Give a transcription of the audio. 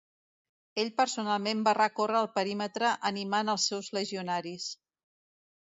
Ell personalment va recórrer el perímetre animant als seus legionaris.